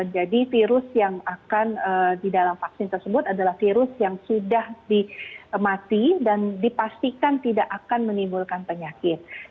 jadi virus yang akan di dalam vaksin tersebut adalah virus yang sudah dimati dan dipastikan tidak akan menimbulkan penyakit